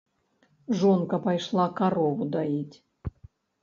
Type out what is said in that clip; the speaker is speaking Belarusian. Жонка пайшла карову даіць.